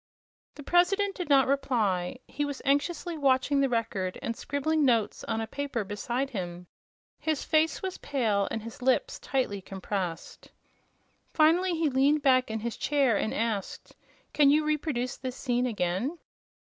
The President did not reply. He was anxiously watching the Record and scribbling notes on a paper beside him. His face was pale and his lips tightly compressed. Finally he leaned back in his chair and asked: "Can you reproduce this scene again?"